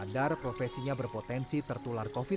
sadar profesinya berpotensi tertular covid sembilan belas